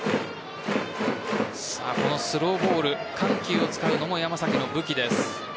スローボール緩急を使うのも山崎の武器です。